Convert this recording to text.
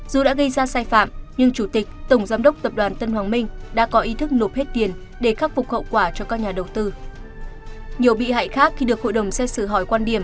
dù đã gây ra sai phạm nhưng chủ tịch tổng giám đốc tập đoàn tân hoàng minh đã có ý thức nộp hết tiền để khắc phục hậu quả cho các nhà đầu tư